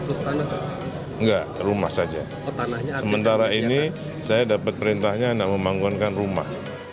harus tanah enggak rumah saja tanahnya sementara ini saya dapat perintahnya anak membangunkan rumah